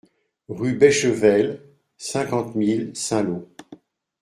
Rue Béchevel, cinquante mille Saint-Lô